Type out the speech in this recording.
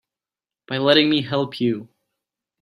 By letting me help you.